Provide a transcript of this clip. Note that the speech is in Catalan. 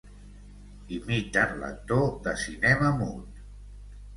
Imiten l'actor de cinema mut.